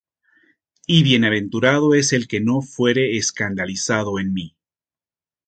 Y bienaventurado es el que no fuere escandalizado en mí.